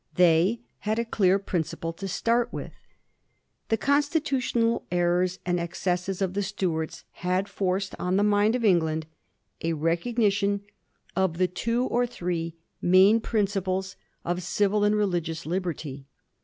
They had a clear principle to start with. The consti Digiti zed by Google 1714 POLITICAL CHANGES. 25 tutional errors and excesses of the Stuarts had forced on the mind of England a recognition of the two or three main principles of civil and religious liberty.